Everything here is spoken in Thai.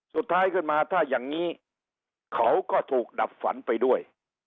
สุดท้ายขึ้นมาถ้าอย่างนี้เขาก็ถูกดับฝันไปด้วย